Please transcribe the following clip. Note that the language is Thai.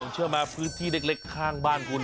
เชื่อไหมพื้นที่เล็กข้างบ้านคุณ